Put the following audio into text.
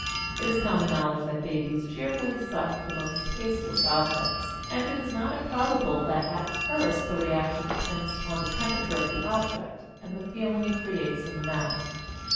It is common knowledge that babies cheerfully suck the most tasteless objects, and it is not improbable that at first the reaction depends upon the temperature of the object and the feeling it creates in the mouth.